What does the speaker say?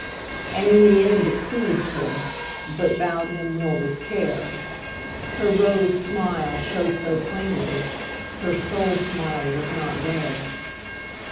And in the end it pleased her, But bowed him more with care. Her rose smile showed so plainly, Her soul smile was not there.